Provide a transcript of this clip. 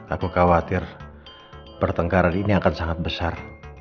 aku khawatir pertengkaran ini akan sangat besar